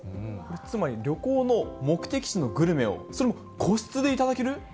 つまり旅行の目的地のグルメを、それも個室で頂ける？